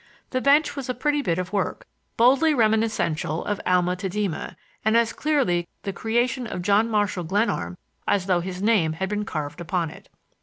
The bench was a pretty bit of work, boldly reminiscential of Alma Tadema, and as clearly the creation of John Marshall Glenarm as though his name had been carved upon it.